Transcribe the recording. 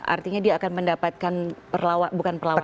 artinya dia akan mendapatkan bukan perlawanan